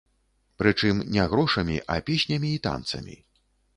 Прычым, не грошамі, а песнямі і танцамі.